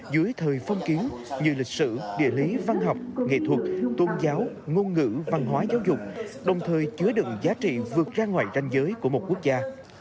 dưới thời phong kiến như lịch sử địa lý văn học nghệ thuật tôn giáo ngôn ngữ văn hóa giáo dục đồng thời chứa đựng giá trị vượt ra ngoài ranh giới của một quốc gia